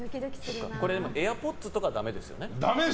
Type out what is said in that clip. ＡｉｒＰｏｄｓとかはダメですよね。